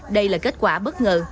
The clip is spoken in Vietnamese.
đây là kết quả bất ngờ